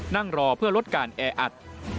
นั่งรอเพื่อลดการแออัด